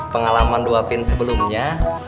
pengalaman dua pin sebelumnya